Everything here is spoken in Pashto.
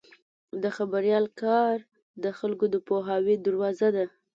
د خبریال کار د خلکو د پوهاوي دروازه ده.